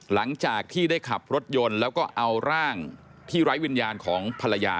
หลังจากที่ได้ขับรถยนต์แล้วก็เอาร่างที่ไร้วิญญาณของภรรยา